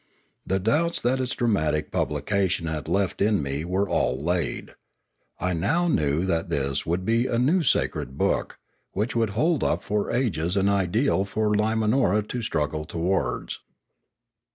The doubts that its dramatic publication had left in me were all laid. I now knew that this would be a new sacred book, which would hold up for ages an ideal for Lima nora to struggle towards.